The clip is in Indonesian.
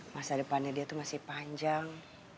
masa depannya dia itu masih panjang